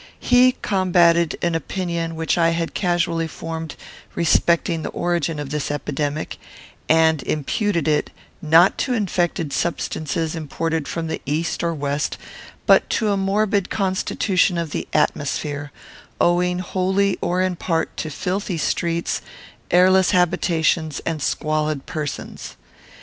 He combated an opinion which I had casually formed respecting the origin of this epidemic, and imputed it, not to infected substances imported from the East or West, but to a morbid constitution of the atmosphere, owing wholly or in part to filthy streets, airless habitations, and squalid persons.